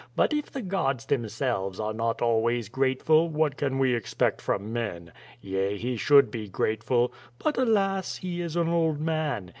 But if the gods themselves are not always grateful, what can we expect from men? Yea, he should be grateful. But, alas! he is an old man.